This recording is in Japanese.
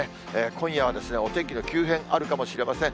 今夜はお天気の急変、あるかもしれません。